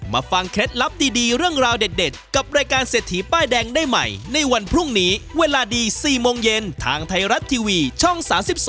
ฟังเคล็ดลับดีเรื่องราวเด็ดกับรายการเศรษฐีป้ายแดงได้ใหม่ในวันพรุ่งนี้เวลาดี๔โมงเย็นทางไทยรัฐทีวีช่อง๓๒